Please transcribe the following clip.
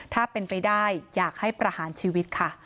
ถ้าเป็นไปได้อยากให้ประหารชีวิตค่ะ